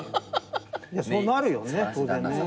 そうなるよね当然ね。